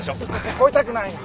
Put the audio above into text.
超えたくないよ。